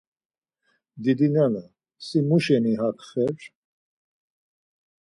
Didnana, si muşeni hak xer?